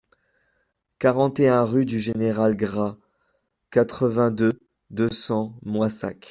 quarante et un rue du Général Gras, quatre-vingt-deux, deux cents, Moissac